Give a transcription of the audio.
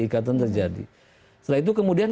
ikatan terjadi setelah itu kemudian